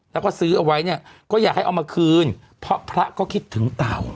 แล้วก็ซื้อเอาไว้เนี่ยก็อยากให้เอามาคืนเพราะพระก็คิดถึงเต่า